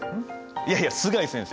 いやいや須貝先生